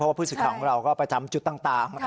เพราะว่าผู้สึกของเราก็ประจำจุดต่าง